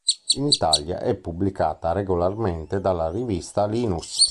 In Italia è pubblicata regolarmente dalla rivista "Linus".